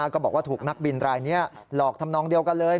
ก็บอกว่าถูกนักบินรายนี้หลอกทำนองเดียวกันเลย